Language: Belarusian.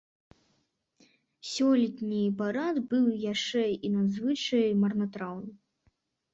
Сёлетні парад быў яшчэ і надзвычай марнатраўны.